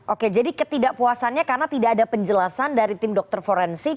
oke jadi ketidakpuasannya karena tidak ada penjelasan dari tim dokter forensik